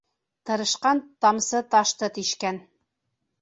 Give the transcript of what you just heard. Тырышҡан тамсы ташты тишкән.